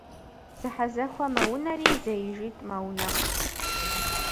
Зэхьэзэхуэ мэунэри зэижитӏ мэунэхъу.